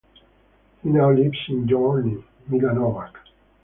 He now lives in Gornji Milanovac.